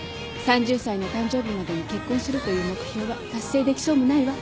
３０歳の誕生日までに結婚するという目標は達成できそうもないわ。